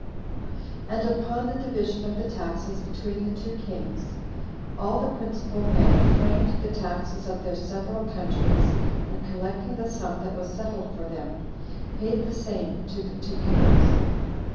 And upon the division of the taxes between the two kings, all the principal men framed the taxes of their several countries, and collecting the sum that was settled for them, paid the same to the [two] kings.